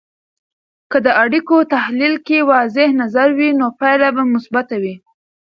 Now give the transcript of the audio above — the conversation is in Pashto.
که د اړیکو تحلیل کې واضح نظر وي، نو پایله به مثبته وي.